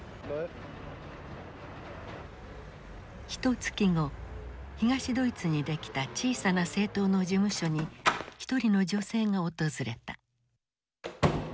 ひとつき後東ドイツにできた小さな政党の事務所に一人の女性が訪れた。